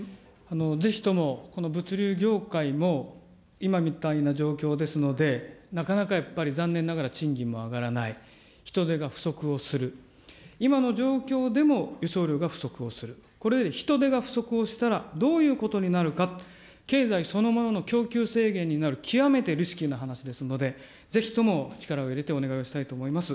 ぜひともこの物流業界も今みたいな状況ですので、なかなかやっぱり残念ながら賃金も上がらない、人手が不足をする、今の状況でも輸送量が不足をする、これ、人手が不足したらどういうことになるか、経済そのものの供給制限になる、極めてリスキーな話ですので、ぜひとも力を入れてお願いをしたいと思います。